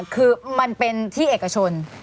คือมันเป็นที่เอกชน